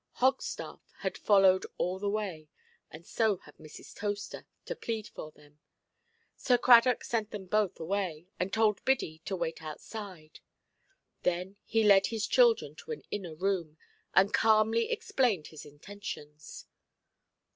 Hogstaff had followed all the way, and so had Mrs. Toaster, to plead for them. Sir Cradock sent them both away, and told Biddy to wait outside. Then he led his children to an inner room, and calmly explained his intentions.